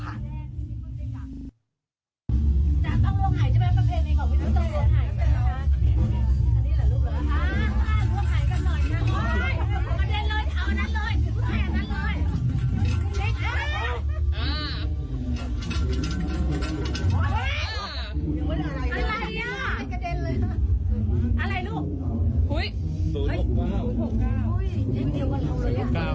สูตรลูบมาก